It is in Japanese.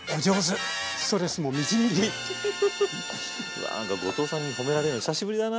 わなんか後藤さんに褒められるの久しぶりだな。